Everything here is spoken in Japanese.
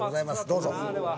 どうぞ。